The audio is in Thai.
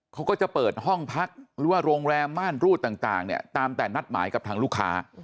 เขาก็จะเปิดห้องพักหรือว่าโรงแรมม่านรูดต่างเนี่ยตามแต่นัดหมายกับทางลูกค้า